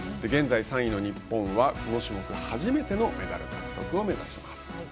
現在３位の日本はこの種目初めてのメダル獲得を目指します。